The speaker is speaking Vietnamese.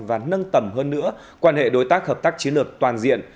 và nâng tầm hơn nữa quan hệ đối tác hợp tác chiến lược toàn diện